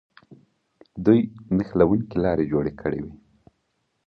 دوی نښلوونکې لارې جوړې کړې وې.